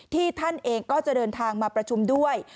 ท่านเองก็จะเดินทางมาประชุมด้วย